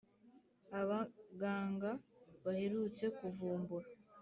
Abaganga baherutse kuvumbura